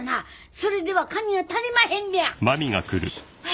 それでは金が足りまへんねやえ？